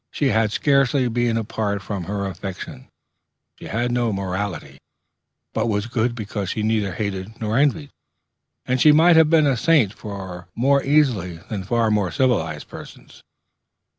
She had scarcely any being apart from her affection; she had no morality, but was good because she neither hated nor envied; and she might have been a saint far more easily than far more civilized people.